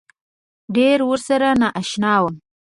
ډېر ورسره نا اشنا وم.